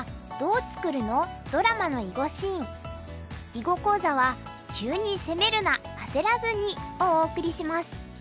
囲碁講座は「急に攻めるなあせらずに！」をお送りします。